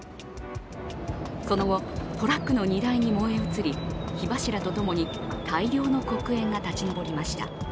その後、トラックの荷台に燃え移り火柱とともに大量の黒煙が立ち上りました。